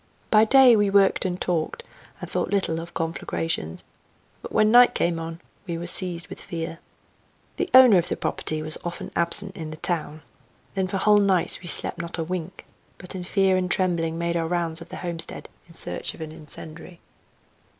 By day we worked and talked, and thought little of conflagrations, but when night came on we were seized with fear. The owner of the property was often absent in the town. Then for whole nights we slept not a wink, but in fear and trembling made our rounds of the homestead in search of an incendiary.